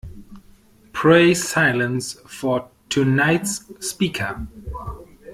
Pray silence for tonight’s speaker.